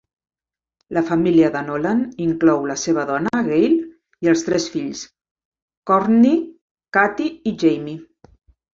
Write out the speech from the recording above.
La família de Nolan inclou la seva dona, Gail, i els tres fills, Courtney, Katie i Jamie.